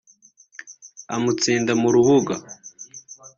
amutsinda mu rubuga